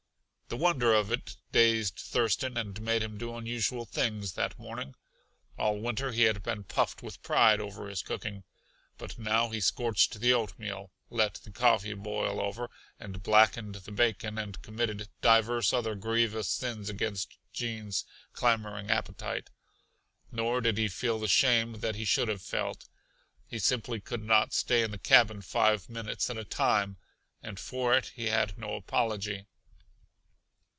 The wonder of it dazed Thurston and made him do unusual things that morning. All winter he had been puffed with pride over his cooking, but now he scorched the oatmeal, let the coffee boil over, and blackened the bacon, and committed divers other grievous sins against Gene's clamoring appetite. Nor did he feel the shame that he should have felt. He simply could not stay in the cabin five minutes at a time, and for it he had no apology.